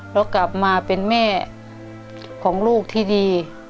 แล้วกลับมาเป็นแม่ของลูกที่ดี